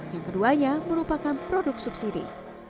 yang keduanya merupakan produk subsidi